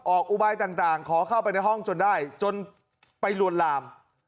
อุบายต่างขอเข้าไปในห้องจนได้จนไปลวนลาม